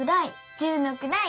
「十のくらい」